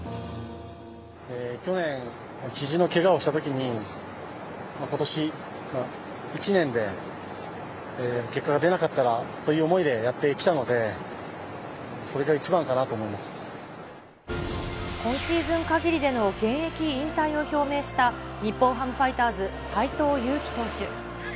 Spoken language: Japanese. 去年、ひじのけがをしたときに、ことし１年で結果が出なかったらという思いでやってきたので、今シーズンかぎりでの現役引退を表明した、日本ハムファイターズ、斎藤佑樹投手。